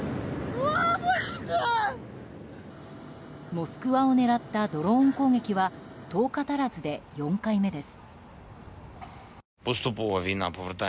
モスクワを狙ったドローン攻撃は１０日足らずで４回目です。